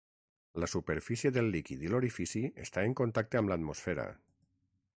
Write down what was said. La superfície del líquid i l'orifici està en contacte amb l'atmosfera.